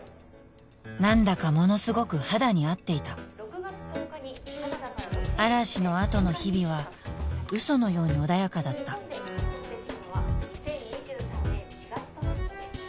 何だかものすごく肌に合っていた嵐のあとの日々は嘘のように穏やかだった日本で観測できるのは２０２３年４月とのことです